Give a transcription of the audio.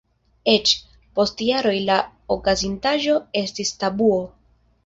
Eĉ, post jaroj la okazintaĵo estis tabuo.